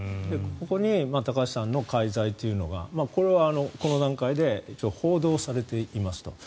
ここに高橋さんの介在というのがこれはこの段階で一応、報道されていますと。